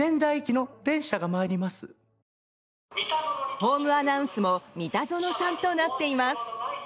ホームアナウンスもミタゾノさんとなっています。